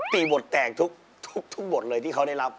ตีบทแตกทุกบทเลยที่เขาได้รับ